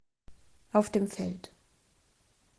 Auf dem Feld.